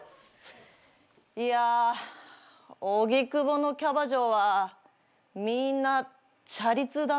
いや荻窪のキャバ嬢はみんなチャリ通だな。